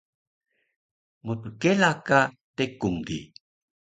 mtkela ka tekung di